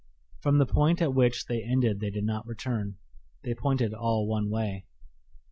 From the point at which they ended they did not return; they pointed all one way.